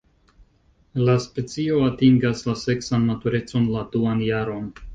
La specio atingas la seksan maturecon la duan jaron.